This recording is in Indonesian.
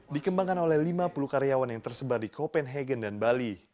dikembangkan oleh lima puluh karyawan yang tersebar di copenhagen dan bali